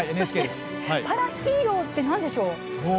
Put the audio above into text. パラヒーローって何でしょう。